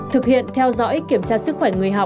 thực hiện theo dõi kiểm tra sức khỏe người học